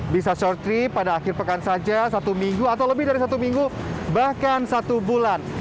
bisa short trip pada akhir pekan saja satu minggu atau lebih dari satu minggu bahkan satu bulan